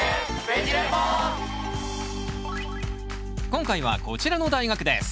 今回はこちらの大学です